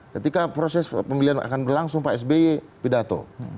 ketika proses pemilihan akan berlangsung pak sby pidato